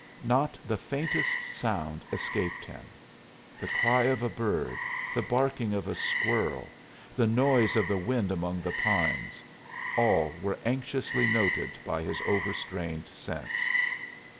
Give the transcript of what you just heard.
Not the faintest sound escaped him; the cry of a bird, the barking of a squirrel, the noise of the wind among the pines all were anxiously noted by his overstrained sense.